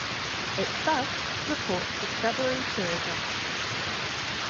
It thus supports discovery tourism.